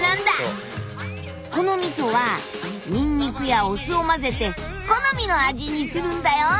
このみそはニンニクやお酢を混ぜて好みの味にするんだよ！